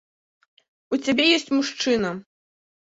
У цябе ёсць мужчына!